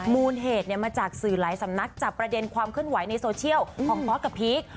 มูลเหตุมาจากสื่อหลายสำนักจากประเด็นความเคลื่อนไหวในโซเชียลของพอร์ตกับพีค